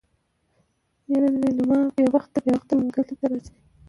يره ليلما بې وخته بې وخته منګلي ته راځي.